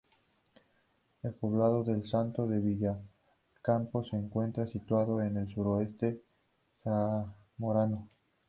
El poblado del Salto de Villalcampo se encuentra situado en el suroeste zamorano.